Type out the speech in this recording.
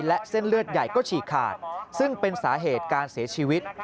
และเส้นเลือดใหญ่ก็ฉีกขาดซึ่งเป็นสาเหตุการเสียชีวิต